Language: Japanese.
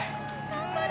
頑張れ！